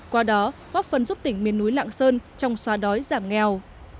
qua đó góp phần giúp tỉnh miền núi lạng sơn trong xóa đói giảm nghèo